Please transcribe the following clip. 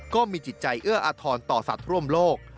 ก็มีจิตใจเอื้ออาทรต่อสัตว์ร่วมโลก